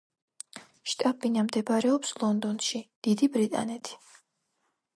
შტაბ-ბინა მდებარეობს ლონდონში, დიდი ბრიტანეთი.